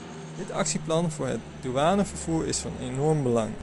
Dit actieplan voor het douanevervoer is van enorm belang.